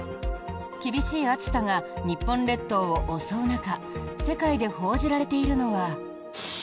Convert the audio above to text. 厳しい暑さが日本列島を襲う中世界で報じられているのは。